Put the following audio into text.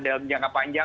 dalam jangka panjang